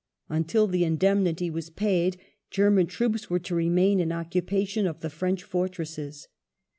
{ Until the indemnity was paid German troops were to remain in occupation of the French fortresses.